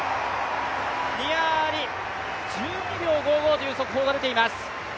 ニア・アリ、１２秒５５という速報が出ています。